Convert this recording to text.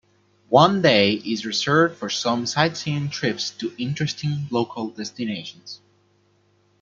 One day is reserved for some sightseeing-trips to interesting local destinations.